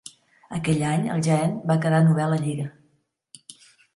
Aquell any, el Jaén, va quedar novè a la lliga.